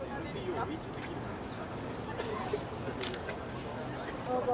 どうぞ。